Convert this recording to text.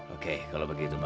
oke kalau begitu pak